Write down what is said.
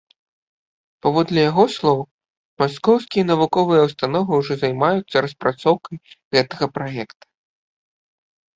Паводле яго слоў, маскоўскія навуковыя ўстановы ўжо займаюцца распрацоўкай гэтага праекта.